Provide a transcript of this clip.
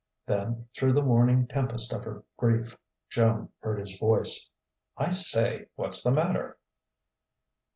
Then through the waning tempest of her grief, Joan heard his voice: "I say! What's the matter?"